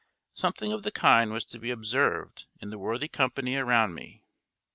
Something of the kind was to be observed in the worthy company around me.